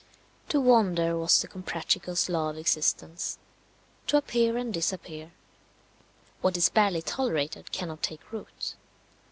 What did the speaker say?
To wander was the Comprachicos' law of existence to appear and disappear. What is barely tolerated cannot take root.